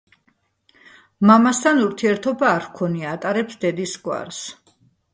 მამასთან ურთიერთობა არ ჰქონია, ატარებს დედის გვარს.